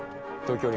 東京？